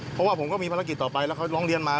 เพราะว่าผมก็มีภารกิจต่อไปแล้วเขาร้องเรียนมา